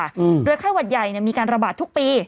อืมโดยไข้หวัดใหญ่เนี้ยมีการระบาดทุกปี